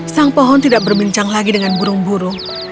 sang pohon tidak berbincang lagi dengan burung burung